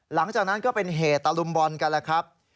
หลังจากนั้นก็เป็นเหตุตะลุมบอลกันแล้วครับ